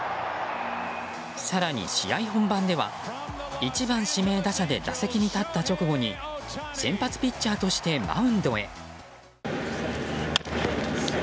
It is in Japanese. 更に、試合本番では１番指名打者で打席に立った直後に先発ピッチャーとしてマウンドへ。